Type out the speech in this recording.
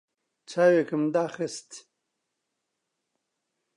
چاوێکم داخست.